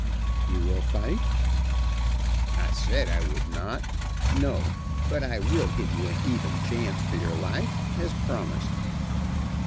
"You will fight?" "I said I would not. No, but I will give you an even chance for your life, as promised."